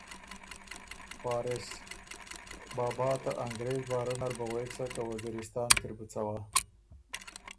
وارث: بابا ته انګرېز بارۀ نر بُو غوېک سَۀ که وزیرستان کی ر بُو څوا